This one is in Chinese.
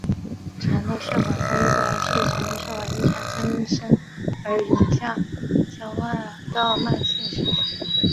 肠道血管发育不良是肠道血管异常增生而引起下消化道慢性失血。